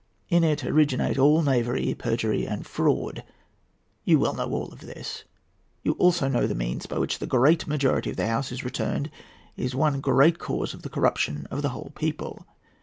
In it originate all knavery, perjury, and fraud. You well know all this. You also know that the means by which the great majority of the House is returned is one great cause of the corruption of the whole people.